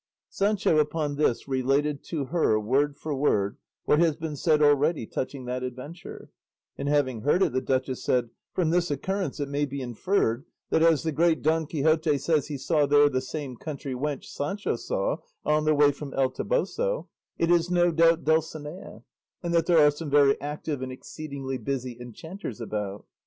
Sancho upon this related to her, word for word, what has been said already touching that adventure, and having heard it the duchess said, "From this occurrence it may be inferred that, as the great Don Quixote says he saw there the same country wench Sancho saw on the way from El Toboso, it is, no doubt, Dulcinea, and that there are some very active and exceedingly busy enchanters about."